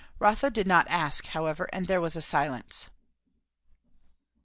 Rotha did not ask, however, and there was silence.